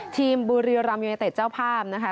บุรีรำยูเนเต็ดเจ้าภาพนะคะ